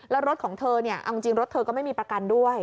แล้วรถของเธอเนี่ยเอาจริงรถเธอก็ไม่มีประกันด้วย